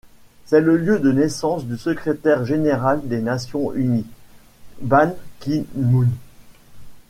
C'est le lieu de naissance du secrétaire général des Nations unies, Ban Ki-moon.